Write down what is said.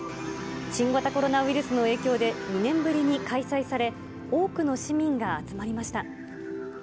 新型コロナウイルスの影響で２年ぶりに開催され、多くの市民が集まりました。